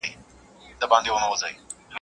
غل په غره کي ځاى نه لري.